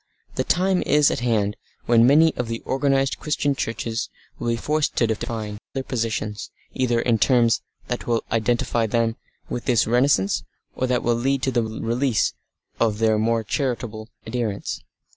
The time is at hand when many of the organised Christian churches will be forced to define their positions, either in terms that will identify them with this renascence, or that will lead to the release of their more liberal adherents.